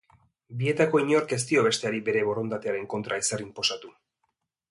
Bietako inork ezin dio besteari bere borondatearen kontra ezer inposatu.